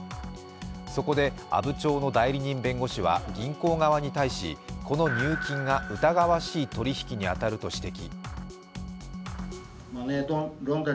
そこで阿武町の代理人弁護士は銀行側に対しこの入金が疑わしい取り引きに当たると指摘。